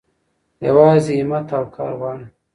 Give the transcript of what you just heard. يوازې هيمت او کار غواړي.